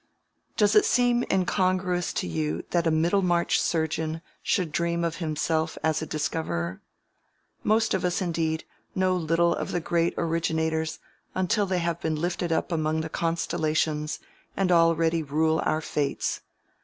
Does it seem incongruous to you that a Middlemarch surgeon should dream of himself as a discoverer? Most of us, indeed, know little of the great originators until they have been lifted up among the constellations and already rule our fates.